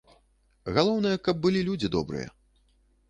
Галоўнае, каб былі людзі добрыя.